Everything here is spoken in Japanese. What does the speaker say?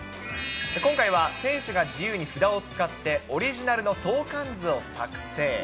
今回は選手が自由に札を使ってオリジナルの相関図を作成。